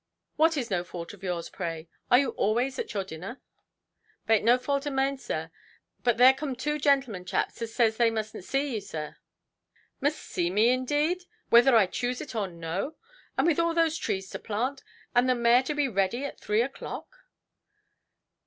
What is no fault of yours, pray? Are you always at your dinner"? "Baint no vault o' maine, sir; but there coom two genelmen chaps, as zays they musten zee you". "Must see me, indeed, whether I choose it or no! And with all those trees to plant, and the mare to be ready at three oʼclock"!